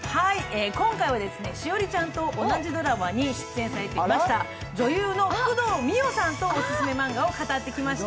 今回は栞里ちゃんと同じドラマに出演されていた女優の工藤美桜さんとオススメマンガを語ってきました。